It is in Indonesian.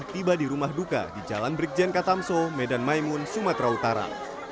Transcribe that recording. tiba di rumah duka di jalan brikjen katamso medan maimun sumatera utara